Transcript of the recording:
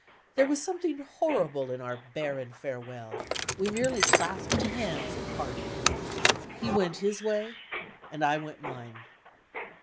There was something horrible in our barren farewell. We merely clasped hands, at parting. He went his way and I went mine.